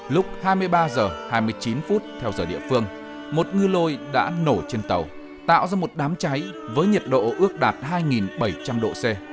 lúc hai mươi ba h hai mươi chín phút theo giờ địa phương một ngư lôi đã nổ trên tàu tạo ra một đám cháy với nhiệt độ ước đạt hai bảy trăm linh độ c